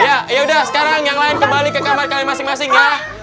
ya yaudah sekarang yang lain kembali ke kamar kami masing masing ya